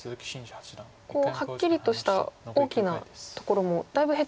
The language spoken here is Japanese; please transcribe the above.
はっきりとした大きなところもだいぶ減ってきましたよね。